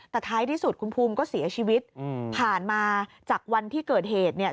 แต่ท้ายที่สุดคุณภูมิก็เสียชีวิตอืมผ่านมาจากวันที่เกิดเหตุเนี่ย